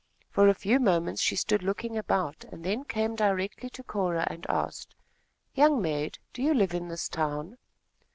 For a few moments, she stood looking about and then came directly to Cora and asked: "Young maid, do you live in this town?"